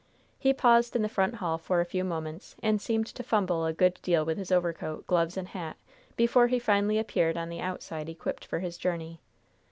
He paused in the front hall for a few moments, and seemed to fumble a good deal with his overcoat, gloves and hat before he finally appeared on the outside equipped for his journey.